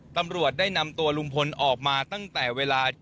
ตำรวจได้นำตัวลุงพลออกมาตั้งแต่เวลา